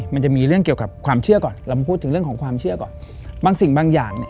แต่แกไม่เคยทำร้ายใครนะครับ